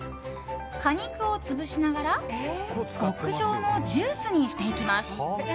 果肉を潰しながら極上のジュースにしていきます。